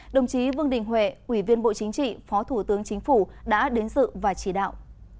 đồng chí vương đình huệ ủy viên bộ chính trị phó thủ tướng chính phủ đã đến dự và chỉ đạo